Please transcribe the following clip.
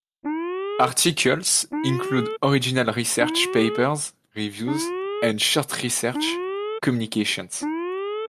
Articles include original research papers, reviews, and short research communications.